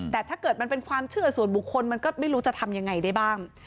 แต่ถ้าเกิดมันเป็นความเชื่อส่วนบุคคลมันก็ไม่รู้จะทำยังไงได้บ้าง